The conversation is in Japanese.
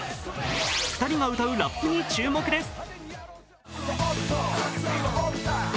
２人が歌うラップに注目です。